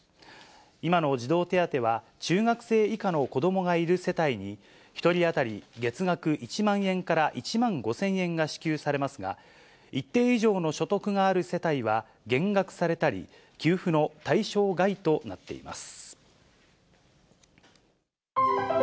今の児童手当は、中学生以下の子どもがいる世帯に、１人当たり月額１万円から１万５０００円が支給されますが、一定以上の所得がある世帯は減額されたり、給付の対象外となっています。